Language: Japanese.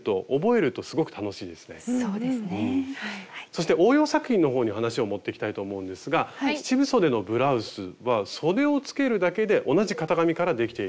そして応用作品のほうに話を持っていきたいと思うんですが七分そでのブラウスはそでをつけるだけで同じ型紙からできていると。